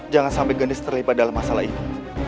jangan sampai ganis terlibat dalam masalah ini